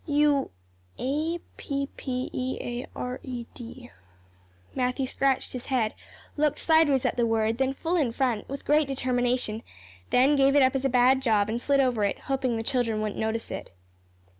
You a p p e a r e d '" Matthew scratched his head, looked sideways at the word, then full in front, with great determination, then gave it up as a bad job, and slid over it, hoping the children wouldn't notice it.